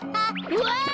うわ！